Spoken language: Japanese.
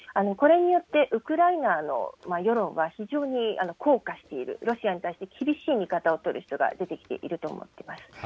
これによって、ウクライナの世論は、非常に硬化している、ロシアに対して厳しい見方を取る人が出てきていると思っています。